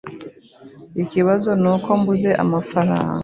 Ikibazo nuko mbuze amafaranga.